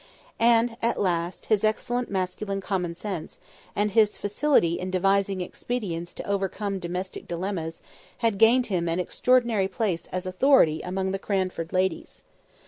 And, at last, his excellent masculine common sense, and his facility in devising expedients to overcome domestic dilemmas, had gained him an extraordinary place as authority among the Cranford ladies.